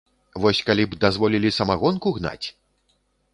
Вось калі б дазволілі самагонку гнаць!